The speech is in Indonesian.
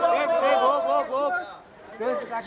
masuk sedikit mas mas mas